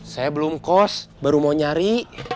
saya belum kos baru mau nyari